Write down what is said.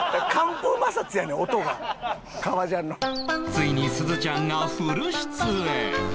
ついにすずちゃんがフル出演